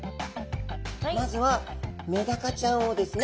まずはメダカちゃんをですね